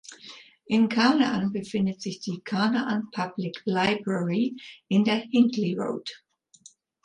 In Canaan befindet sich die "Canaan Public Library" in der Hinckley Road.